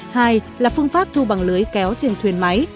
hai là phương pháp thu bằng lưới kéo trên thuyền máy